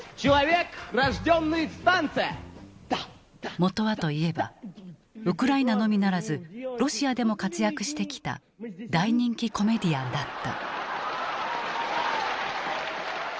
もとはと言えばウクライナのみならずロシアでも活躍してきた大人気コメディアンだった。